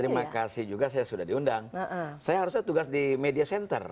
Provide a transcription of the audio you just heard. terima kasih juga saya sudah diundang saya harusnya tugas di media center